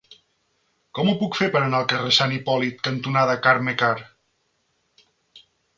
Com ho puc fer per anar al carrer Sant Hipòlit cantonada Carme Karr?